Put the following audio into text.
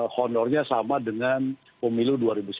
honornya sama dengan pemilu dua ribu sembilan belas